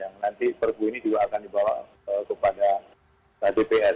nanti perpu ini juga akan dibawa kepada dpr